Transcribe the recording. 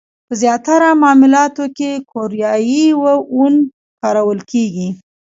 په زیاتره معاملاتو کې کوریايي وون کارول کېږي.